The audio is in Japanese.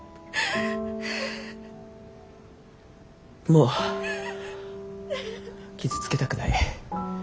もう傷つけたくない。